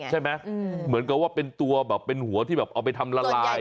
เหมือนกับว่าเป็นตัวแบบเป็นหัวที่แบบเอาไปทำละลาย